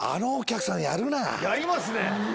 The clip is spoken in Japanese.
やりますね。